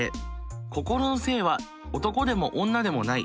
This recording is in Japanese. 心の性は男でも女でもない。